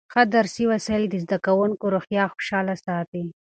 ښه درسي وسایل د زده کوونکو روحیه خوشحاله ساتي.